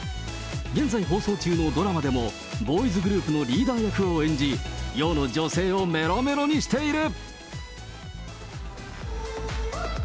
現在放送中のドラマでも、ボーイズグループのリーダー役を演じ、世の女性をめろめろにしている。